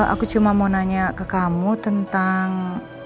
aku cuma mau nanya ke kamu tentang